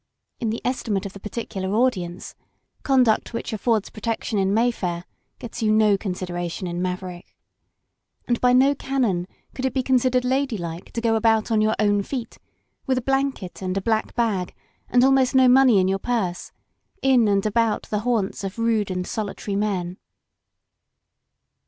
In the estimate of the immediate audience — conduct which affords protection in Mayfair gets you no consideration in Maverick. And by no canon could it be considered ladylike to go about on your own feet, with a blanket and a black bag and almost no money in your purse, in and about the hatmts of rude ^nd solitary men.